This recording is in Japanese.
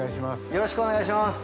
よろしくお願いします。